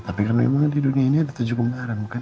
tapi kan memang di dunia ini ada tujuh pembarang